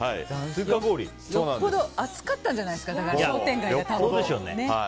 よっぽど暑かったんじゃないですか？